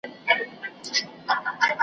هیري کړي مو نغمې وزرونه وچ دي .